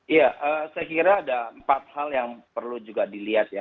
iya saya kira ada empat hal yang perlu juga dilihat ya